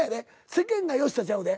世間が「よっしゃ」ちゃうで。